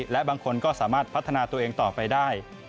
และบางคนก็สามารถพัฒนาตัวเองต่อไปได้